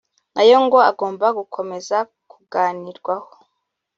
nayo ngo agomba gukomeza kuganirwaho